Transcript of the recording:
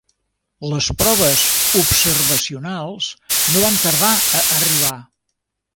Les proves observacionals no van tardar a arribar.